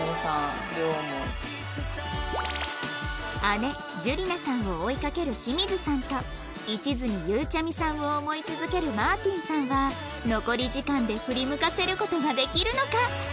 姉じゅりなさんを追いかける清水さんと一途にゆうちゃみさんを思い続けるマーティンさんは残り時間で振り向かせる事ができるのか！？